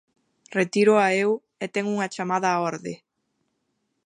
Retíroa eu, e ten unha chamada á orde.